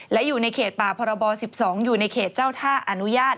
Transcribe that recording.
และอยู่ในเขตป่าพรบ๑๒อยู่ในเขตเจ้าท่าอนุญาต